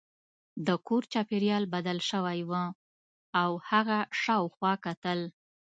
د کور چاپیریال بدل شوی و او هغه شاوخوا کتل